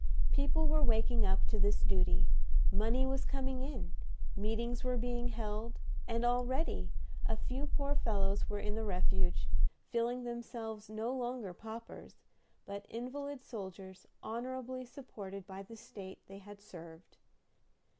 People were waking up to this duty, money was coming in, meetings were being held, and already a few poor fellows were in the refuge, feeling themselves no longer paupers, but invalid soldiers honorably supported by the State they had served.